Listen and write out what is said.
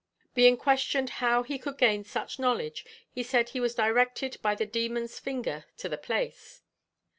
Being questioned how he could gain such knowledge, he said he was directed by the demon's finger to the place.'